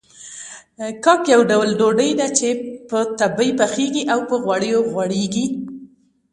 کاک يو ډول ډوډۍ ده چې په تبۍ پخېږي او په غوړيو غوړېږي.